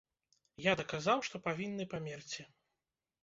Я даказаў, што павінны памерці.